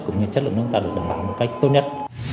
cũng như chất lượng nước ta được đảm bảo một cách tốt nhất